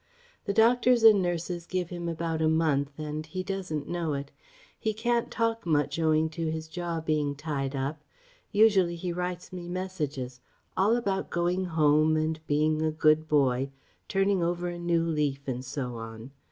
The doctors and nurses give him about a month and he doesn't know it. He can't talk much owing to his jaw being tied up usually he writes me messages, all about going home and being a good boy, turning over a new leaf, and so on.